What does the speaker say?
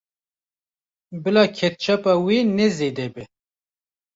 Bila ketçapa wê ne zêde be.